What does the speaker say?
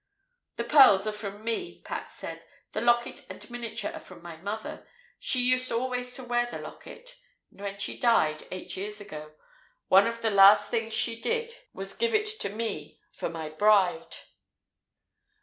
"The pearls are from me," Pat said. "The locket and miniature are from my mother. She used always to wear the locket. And when she died, eight years ago, one of the last things she did was to give it to me, 'for my bride'."